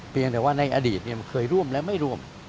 เพียงแต่ว่าในอดีตมันเคยร่วมและไม่ร่วม